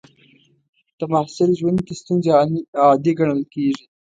د محصل ژوند کې ستونزې عادي ګڼل کېږي.